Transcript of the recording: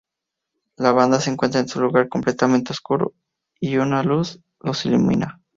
La banda se encuentra en un lugar completamente oscuro, y una luz los ilumina.